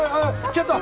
ちょっと！